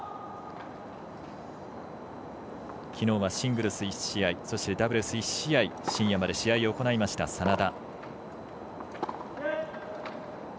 きのうはシングルス１試合ダブルス１試合深夜まで試合を行いました眞田。